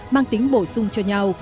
mang tính bổ sung cho nhau